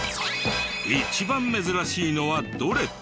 一番珍しいのはどれ？